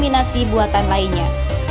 kaminasi buatan lainnya